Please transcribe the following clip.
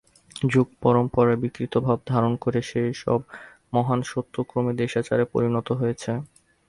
যুগ-পরম্পরায় বিকৃত ভাব ধারণ করে সেইসব মহান সত্য ক্রমে দেশাচারে পরিণত হয়েছে।